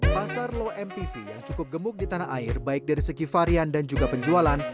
pasar low mpv yang cukup gemuk di tanah air baik dari segi varian dan juga penjualan